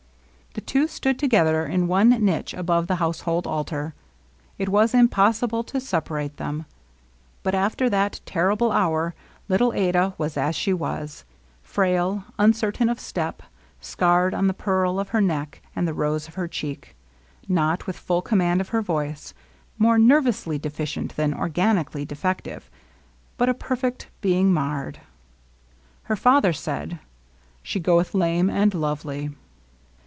The two stood to gether in one niche above the household altar. It was impossible to separate them. But after that terrible hour little Adah was as she was : frail, un certain of step, scarred on the pearl of her neck and the rose of her cheek; not with full command of her voice ; more nervously deficient than organicaUy defective, but a perfect being marred. Her fa ther said, " She goeth lame and lovely."